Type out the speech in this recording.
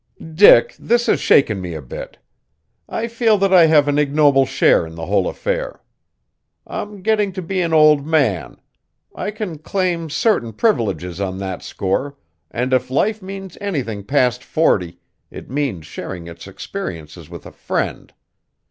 "Dick, this has shaken me a bit. I feel that I have an ignoble share in the whole affair. I'm getting to be an old man; I can claim certain privileges on that score, and if life means anything past forty, it means sharing its experiences with a friend.